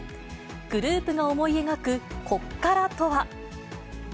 グループが思い描くこっからとは。